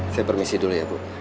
saya permisi dulu ya bu